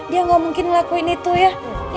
dia gak mungkin ngelakuin itu ya